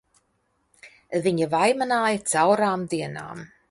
Viņa vaimanāja caurām dienām!